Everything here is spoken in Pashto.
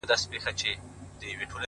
انسان د خپلو انتخابونو مجموعه ده